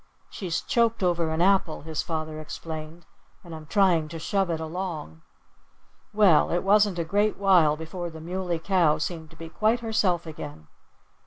"She's choked over an apple," his father explained, "and I'm trying to shove it along." Well, it wasn't a great while before the Muley Cow seemed to be quite herself again.